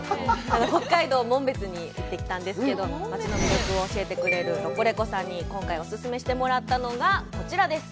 北海道紋別に行ってきたんですけど、町の魅力を教えてくれるロコレコさんに今回お勧めしてもらったのが、こちらです。